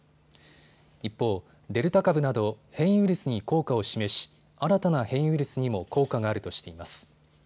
一方、デルタ株など変異ウイルスに効果を示し新たな変異ウイルスにも効果があるとしています。